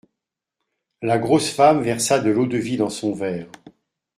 La grosse femme versa de l'eau-de-vie dans son verre.